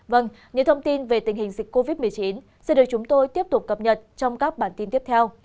vâng những thông tin về tình hình dịch covid một mươi chín sẽ được chúng tôi tiếp tục cập nhật trong các bản tin tiếp theo